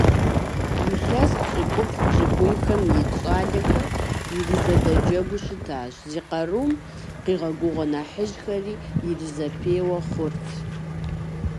Илъэс пщыкӏуплӏ-пщыкӏуийхэм ит щӀалэхэр иризэдэджэгуу щытащ, зи къарум къигъэгугъэ нэхъыжьхэри иризэпеуэ хъурт.